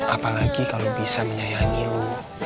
apalagi kalau bisa menyayangi lu